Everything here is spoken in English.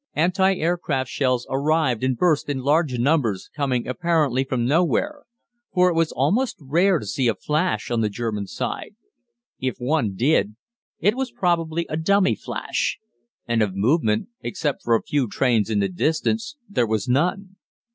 Anti aircraft shells arrived and burst in large numbers, coming apparently from nowhere, for it was almost rare to see a flash on the German side; if one did, it was probably a dummy flash; and of movement, except for a few trains in the distance, there was none.